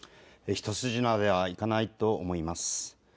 一筋縄ではいかないと思います。